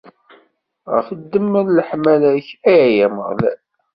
Ɣef ddemma n leḥmala-k, ay Ameɣlal!